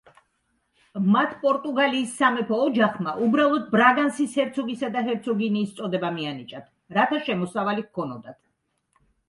მათ პორტუგალიის სამეფო ოჯახმა უბრალოდ ბრაგანსის ჰერცოგისა და ჰერცოგინიის წოდება მიანიჭათ, რათა შემოსავალი ჰქონოდათ.